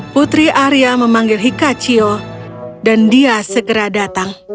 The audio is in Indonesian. putri arya memanggil hikachiyo dan dia segera datang